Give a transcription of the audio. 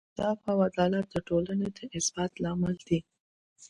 انصاف او عدالت د ټولنې د ثبات لامل دی.